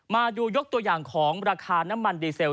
มาดูยกตัวอย่างของราคาน้ำมันดีเซล